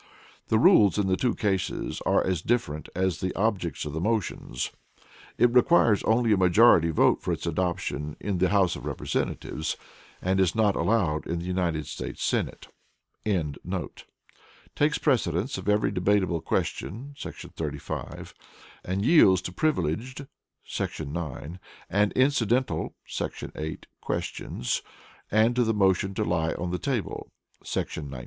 The rules in the two cases are as different as the objects of the motions. It requires only a majority vote for its adoption in the House of Representatives, and is not allowed in the United States Senate.] takes precedence of every debatable question [§ 35], and yields to Privileged [§ 9] and Incidental [§ 8] questions, and to the motion to Lie on the table [§ 19].